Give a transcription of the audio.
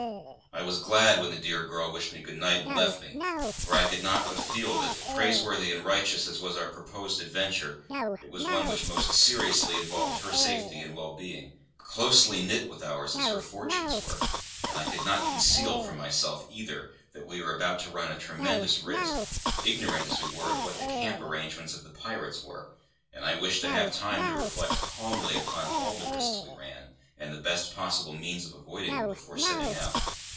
I was glad when the dear girl wished me good night and left me; for I could not but feel that, praiseworthy and righteous as was our proposed adventure, it was one which most seriously involved her safety and well being, closely knit with ours as her fortunes were, and I could not conceal from myself, either, that we were about to run a tremendous risk, ignorant as we were of what the camp arrangements of the pirates were; and I wished to have time to reflect calmly upon all the risks we ran, and the best possible means of avoiding them, before setting out.